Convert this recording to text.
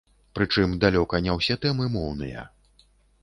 Прычым далёка не ўсе тэмы моўныя.